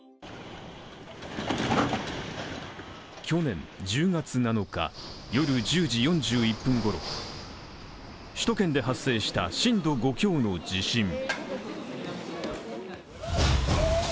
去年１０月７日、夜１０時４１分ごろ首都圏で発生した震度５強の地震。